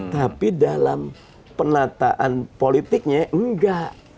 tapi dalam penataan politiknya enggak